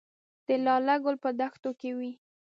د لاله ګل په دښتو کې وي